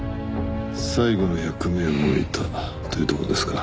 最後の役目を終えたというところですか。